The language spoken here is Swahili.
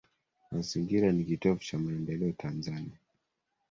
Mazingira ni Kitovu Cha Maendeleo Tanzania